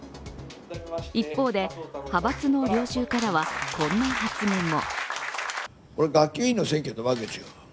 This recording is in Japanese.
一方で、派閥の領袖からはこんな発言も。